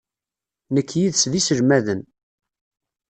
Nekk yid-s d iselmaden.